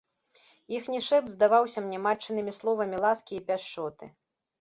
Іхні шэпт здаваўся мне матчынымі словамі ласкі і пяшчоты.